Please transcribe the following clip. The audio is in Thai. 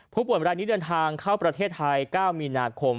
ผู้ป่วยรายนี้เดินทางเข้าประเทศไทย๙มีนาคม